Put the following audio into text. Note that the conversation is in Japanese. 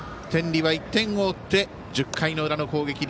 天理は１点を追って１０回裏の攻撃。